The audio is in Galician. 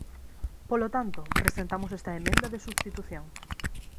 Polo tanto, presentamos esta emenda de substitución.